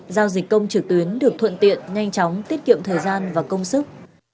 giao dịch công trực tuyến được thuận tiện nhanh chóng tiết kiệm thời gian và công sức